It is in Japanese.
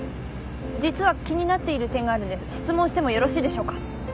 実は気になっている点があるので質問してもよろしいでしょうか？